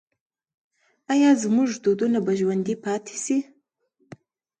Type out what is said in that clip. آیا زموږ دودونه به ژوندي پاتې شي؟